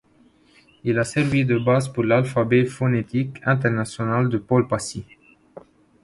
Il a servi de base pour l’alphabet phonétique international de Paul Passy.